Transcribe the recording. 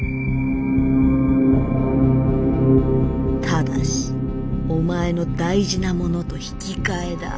「ただしお前の大事なモノと引き換えだ」。